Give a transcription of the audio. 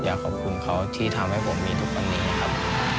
อยากขอบคุณเขาที่ทำให้ผมมีทุกวันนี้ครับ